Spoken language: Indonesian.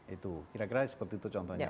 itu kira kira seperti itu contohnya